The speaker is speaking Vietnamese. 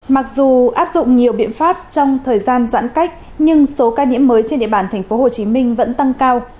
mặc dù áp dụng nhiều biện pháp trong thời gian giãn cách nhưng số ca nhiễm mới trên địa bàn tp hcm vẫn tăng cao